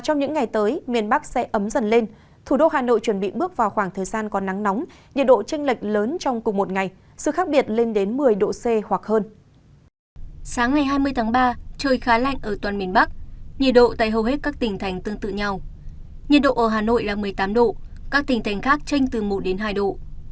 nhiệt độ ở hà nội là một mươi tám độ các tỉnh thành khác tranh từ một đến hai độ